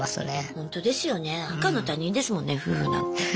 ほんとですよね赤の他人ですもんね夫婦なんて。